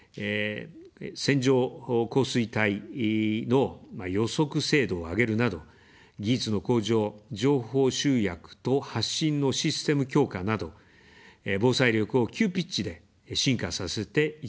線状降水帯の予測精度を上げるなど、技術の向上、情報集約と発信のシステム強化など、防災力を急ピッチで進化させていきます。